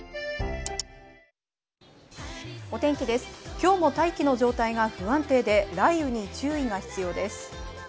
今日も大気の状態が不安定で雷雨に注意が必要です。